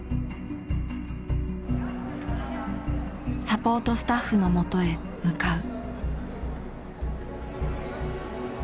サポートスタッフのもとへ向かう。